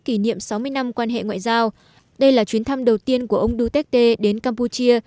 kỷ niệm sáu mươi năm quan hệ ngoại giao đây là chuyến thăm đầu tiên của ông duterte đến campuchia